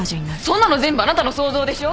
そんなの全部あなたの想像でしょ。